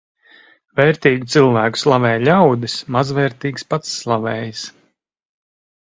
Vērtīgu cilvēku slavē ļaudis, mazvērtīgs pats slavējas.